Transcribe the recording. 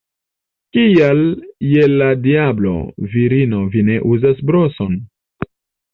Kial je la diablo, virino, vi ne uzas broson?